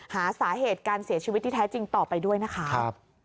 หาสาเหตุการเสียชีวิตที่แท้จริงต่อไปด้วยนะคะ